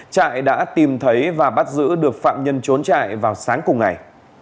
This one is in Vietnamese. trại đã tìm thấy và bắt giữ được phạm nhân trốn trại vào sáng cùng ngày